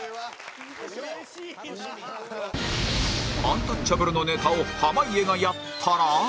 アンタッチャブルのネタを濱家がやったら？